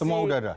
semua sudah ada